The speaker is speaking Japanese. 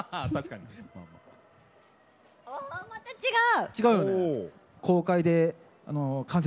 また違う！